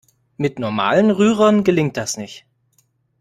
Mit normalen Rührern gelingt das nicht.